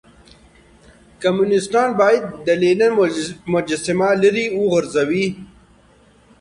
کمونيستان بايد د لينن مجسمه ليرې وغورځوئ.